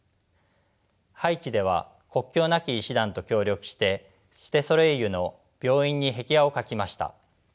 ハイチでは国境なき医師団と協力してシテソレイユの病院に壁画を描きました。